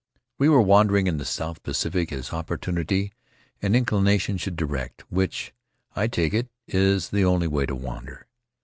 We were wandering in the South Pacific as opportunity and inclination should direct, which, I take it, is the only way to wander.